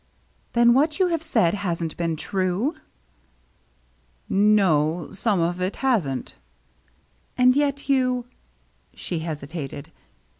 "Then what you have said hasn't been true?" " No — some of it hasn't." " And yet you —" She hesitated.